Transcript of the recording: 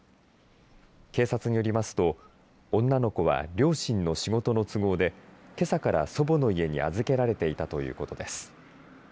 警察によりますと女の子は両親の仕事の都合でけさから祖母の家に預けられていたということです。